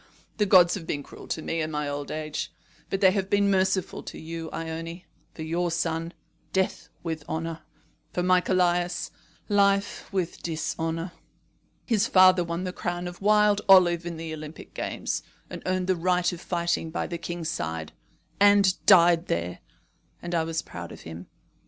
The gods have been cruel to me in my old age; but they have been merciful to you, Ione. For your son, death with honour. For my Callias, life with dishonour. His father won the crown of wild olive in the Olympic games, and earned the right of fighting by the king's side, and died there; and I was proud of him.